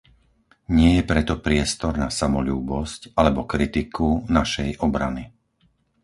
Nie je preto priestor na samoľúbosť alebo kritiku našej obrany.